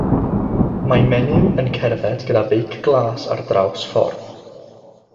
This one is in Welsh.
Mae menyw yn cerdded gyda beic glas ar draws ffordd.